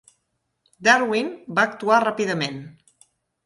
Darwin va actuar ràpidament.